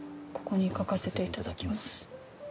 「ここに書かせていただきます」